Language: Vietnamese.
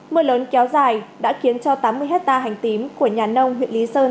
mưa lớn kéo dài đã khiến cho tám mươi hectare hành tím của nhà nông huyện lý sơn